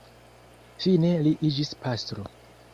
Fine li iĝis pastro.